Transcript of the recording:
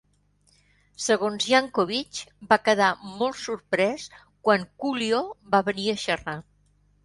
Segons Yankovic, va quedar molt sorprès quan Coolio va venir a xerrar.